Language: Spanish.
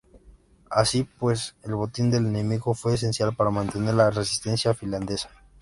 Así pues, el botín del enemigo fue esencial para mantener la resistencia finlandesa.